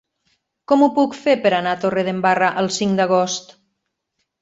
Com ho puc fer per anar a Torredembarra el cinc d'agost?